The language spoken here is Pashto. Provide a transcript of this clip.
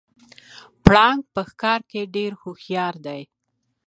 پړانګ په ښکار کې ډیر هوښیار دی